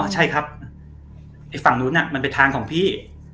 ใช่ครับไอ้ฝั่งนู้นมันเป็นทางของพี่